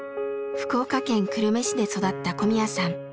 福岡県久留米市で育った小宮さん。